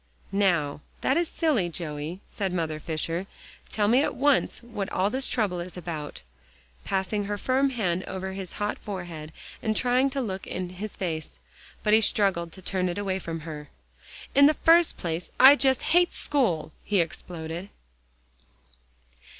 "Now, that is silly, Joey," said Mother Fisher, "tell me at once what all this trouble is about," passing her firm hands over his hot forehead, and trying to look in his face. But he struggled to turn it away from her. "In the first place I just hate school!" he exploded.